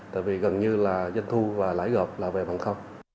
tại vì gần như là doanh thu và lãi gọp là về bằng không